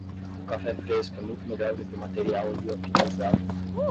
O café fresco é muito melhor do que o material liofilizado.